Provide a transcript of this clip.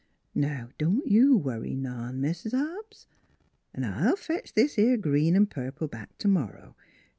... Now, don't you worry none, Mis' Hobbs. 'N' I'll fetch this 'ere green and purple back tomorrow.